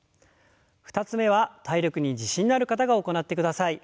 ２つ目は体力に自信がある方が行ってください。